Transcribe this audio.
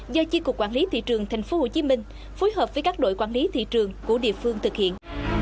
do chi cục quản lý thị trường tp hcm phối hợp với các đội quản lý thị trường của địa phương thực hiện